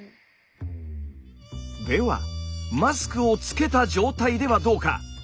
ではマスクをつけた状態ではどうか。